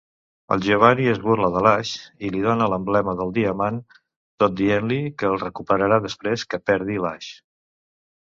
En Giovanni es burla de l'Ash i li dóna l'emblema del diamant, tot dient-li que el recuperarà després que perdi l'Ash.